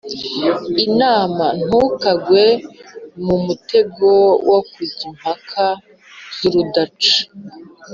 Inama ntukagwe mu mutego wo kujya impaka z urudaca